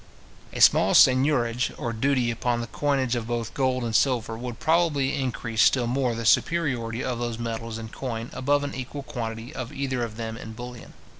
A small seignorage or duty upon the coinage of both gold and silver, would probably increase still more the superiority of those metals in coin above an equal quantity of either of them in bullion.